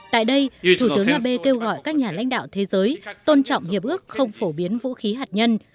tại đây thủ tướng abe kêu gọi các nhà lãnh đạo thế giới tôn trọng hiệp ước không phổ biến vũ khí hạt nhân